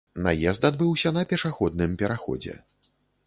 Наезд адбыўся на пешаходным пераходзе.